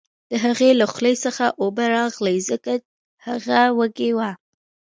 د هغې له خولې څخه اوبه راغلې ځکه هغه وږې وه